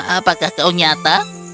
apakah kau nyata